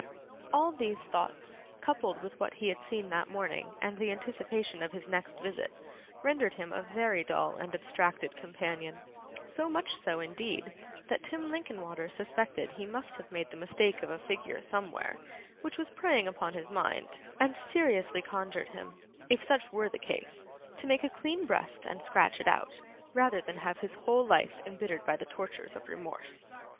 All these thoughts, coupled with what he had seen that morning and the anticipation of his next visit, rendered him a very dull and abstracted companion; so much so, indeed, that Tim Linkinwater suspected he must have made the mistake of a figure somewhere, which was preying upon his mind, and seriously conjured him, if such were the case, to make a clean breast and scratch it out, rather than have his whole life embittered by the tortures of remorse.